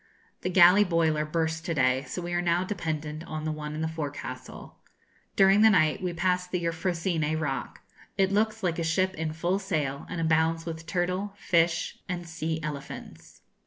The galley boiler burst to day, so we are now dependent on the one in the forecastle. During the night we passed the Euphrosyne rock. It looks like a ship in full sail, and abounds with turtle, fish, and sea elephants.